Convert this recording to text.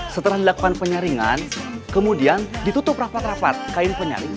setelah dilakukan penyaringan kemudian ditutup rapat rapat kain penyaring